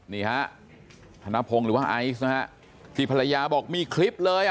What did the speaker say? นี้ฮะธนภงหรือว่าไอศ์ที่ภรรยาบอกมีคลิปเลย